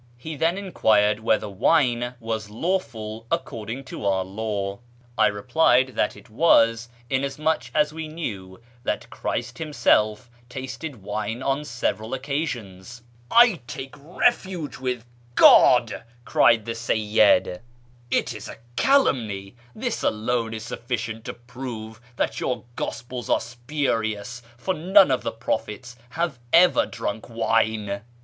He then enquired whether wine was lawful according to our law. 46o A YEAR AMONGST THE PERSIANS I ivplied that it was, inasmucli as \vc knew that Christ Him self tasted wine on several occasions. " I take refuge with God !" cried the Seyyid ;" it is a calumny : this alone is sufficient to prove that your gospels are s{)urious, for none of the prophets have ever drunk wine."